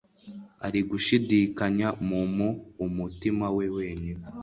Ari Gushidikanya mumu umutima we wenyine